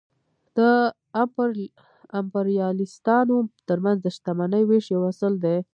د امپریالیستانو ترمنځ د شتمنۍ وېش یو اصل دی